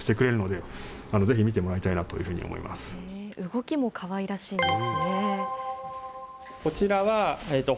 動きもかわいらしいんですね。